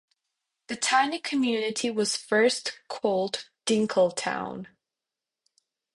The tiny community was first called Dinkletown.